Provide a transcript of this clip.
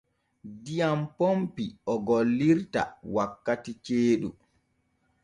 Diyam ponpi o gollirta wakkati ceeɗu.